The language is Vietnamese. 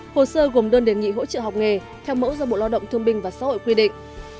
hồ sơ gồm đơn đề nghị hỗ trợ học nghề theo mẫu do bộ lao động thương binh và xã hội quy định